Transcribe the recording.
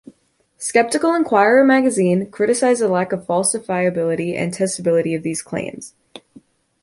"Skeptical Inquirer" magazine criticized the lack of falsifiability and testability of these claims.